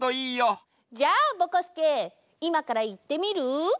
じゃあぼこすけいまからいってみる？